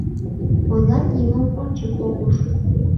Ойлат нимом ончык ок уж.